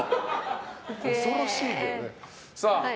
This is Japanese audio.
恐ろしいね。